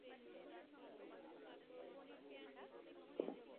তাকে এখন কলেজে পাঠালে সেটা অনেক খারাপ দেখাবে।